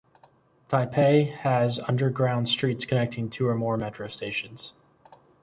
Taipei has underground streets connecting two or more metro stations.